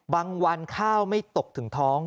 วันข้าวไม่ตกถึงท้อง